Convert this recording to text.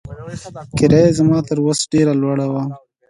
کرايه يې زما تر وس ډېره لوړه وه.